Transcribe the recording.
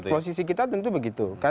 posisi kita tentu begitu